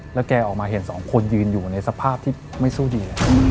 แล้วแกออกมาเห็นสองคนยืนอยู่ในสภาพที่ไม่สู้ดี